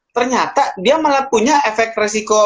ternyata dia malah punya efek resiko